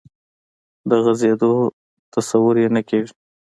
د غځېدو تصور یې نه کېږي.